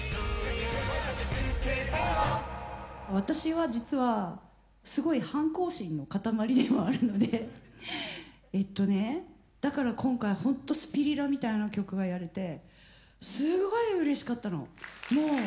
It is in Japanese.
私は実はすごい反抗心の塊ではあるのでえっとねだから今回ほんと「スピリラ」みたいな曲がやれてすごいうれしかったの。